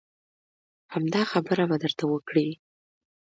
همدا خبره به درته وکړي.